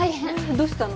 どうしたの？